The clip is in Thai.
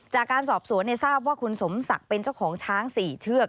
จากการสอบสวนทราบว่าคุณสมศักดิ์เป็นเจ้าของช้าง๔เชือก